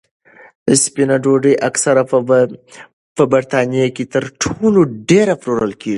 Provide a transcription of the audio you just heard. سپینه ډوډۍ اکثره په بریتانیا کې تر ټولو ډېره پلورل کېږي.